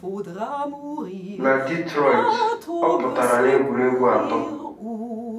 Na Detroit, ọ pụtara n'egwuregwu atọ.